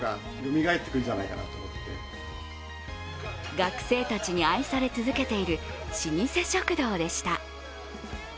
学生たちに愛され続けている老舗食堂でした。